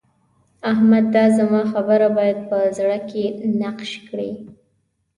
احمده! دا زما خبره بايد په زړه کې نقش کړې.